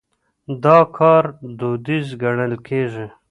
دا کار دوديز ګڼل کېږي.